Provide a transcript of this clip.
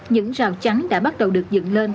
những rào trắng đã bắt đầu được dựng lên